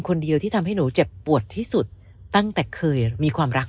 คนเดียวที่ทำให้หนูเจ็บปวดที่สุดตั้งแต่เคยมีความรัก